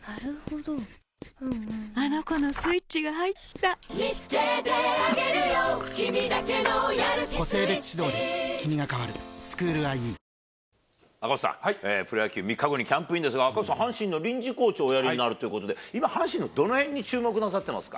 最低気温は札幌で氷点下１２度と、赤星さん、プロ野球３日後にキャンプインですが、赤星さん、阪神の臨時コーチをおやりになるということで、今、阪神のどのへんに注目なさってますか。